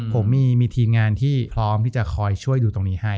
ผมมีทีมงานที่พร้อมที่จะคอยช่วยดูตรงนี้ให้